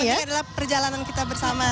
yang penting adalah perjalanan kita bersama